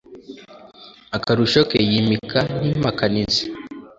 akarusho ke yimika n’impakanizi.